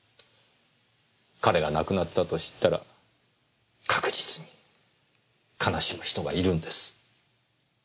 彼が亡くなったと知ったら確実に悲しむ人がいるんです。